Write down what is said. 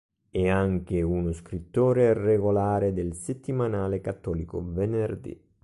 È anche uno scrittore regolare del settimanale cattolico "Venerdì".